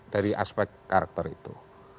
dari aspek karakter itu